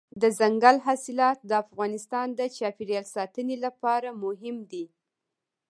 دځنګل حاصلات د افغانستان د چاپیریال ساتنې لپاره مهم دي.